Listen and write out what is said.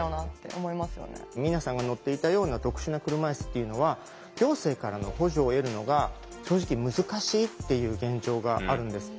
明奈さんが乗っていたような特殊な車いすっていうのは行政からの補助を得るのが正直難しいっていう現状があるんですって。